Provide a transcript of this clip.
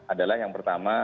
adalah yang pertama